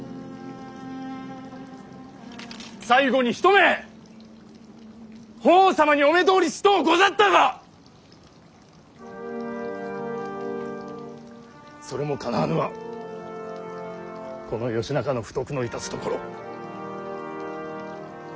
最後に一目法皇様にお目通りしとうござったがそれもかなわぬはこの義仲の不徳のいたすところ。